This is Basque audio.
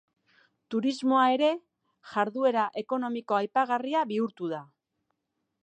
Turismoa ere jarduera ekonomiko aipagarria bihurtu da.